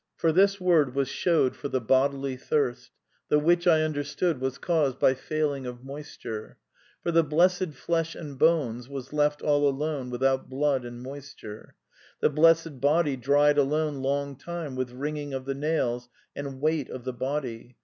"For this word was shewed for the bodily thirst: the which I understood was caused by failing of moisture. For the blessed flesh and bones was left all alone without blood and moisture. The blessed body dried alone long time with wringing of the nails and weight of the body.